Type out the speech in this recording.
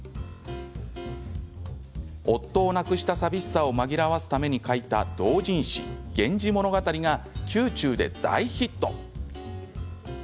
夫を亡くした寂しさを紛らわすために書いた同人誌「源氏物語」が宮中で大ヒット。